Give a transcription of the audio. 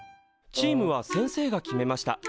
チームは先生が決めました。